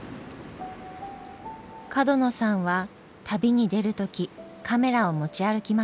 角野さんは旅に出る時カメラを持ち歩きません。